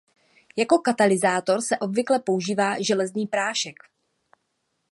Jako katalyzátor se obvykle používá železný prášek.